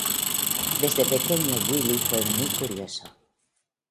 Desde pequeño Wille fue muy curioso.